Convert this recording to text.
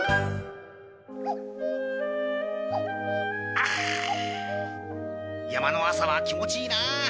ああ山の朝は気持ちいいなあ。